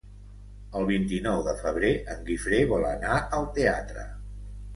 El vint-i-nou de febrer en Guifré vol anar al teatre.